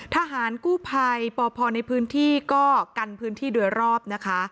ทหารกู้ภัยปพในพื้นที่ก็กันพื้นที่โดยรอบนะคะ